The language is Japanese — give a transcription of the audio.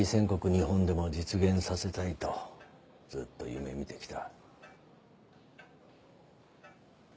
日本でも実現させたいとずっと夢見てきた。